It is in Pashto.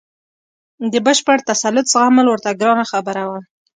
د بشپړ تسلط زغمل ورته ګرانه خبره وه.